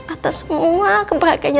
atas semua kebahagiaan